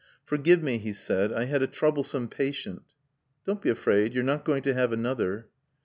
"Forgive me," he said. "I had a troublesome patient." "Don't be afraid. You're not going to have another."